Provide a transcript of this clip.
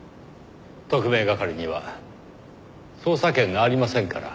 特命係には捜査権がありませんから。